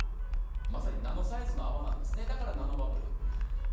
まさにナノサイズの泡なんですね、だからナノバブル。